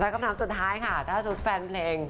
และคำถามสุดท้ายค่ะถ้ากระทบฟานก์เพลง